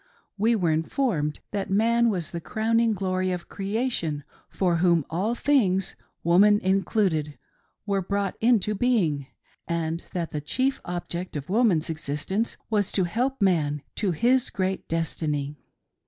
We were informed that man was the crowning glory of creation, for whom all things — woman included — were brought into being; and that the chief object of woman's existence was to help man to his great destiny.